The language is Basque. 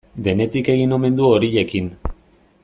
Denetik egin omen du horiekin.